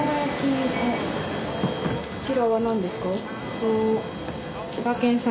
こちらは何ですか？